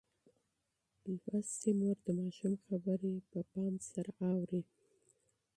لوستې مور د ماشوم خبرې اورېدلي کوي.